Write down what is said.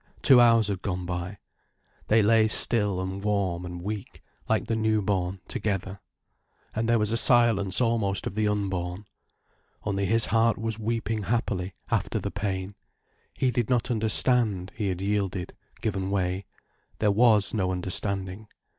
Two hours had gone by. They lay still and warm and weak, like the new born, together. And there was a silence almost of the unborn. Only his heart was weeping happily, after the pain. He did not understand, he had yielded, given way. There was no understanding.